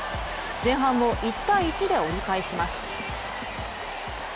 前半を１−１で折り返します。